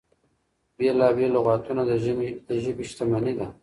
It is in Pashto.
بېلا بېل لغتونه د ژبې شتمني ده.